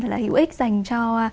là hữu ích dành cho